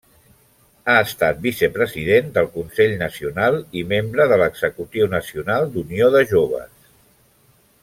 Ha estat vicepresident del Consell Nacional i membre de l'Executiu Nacional d'Unió de Joves.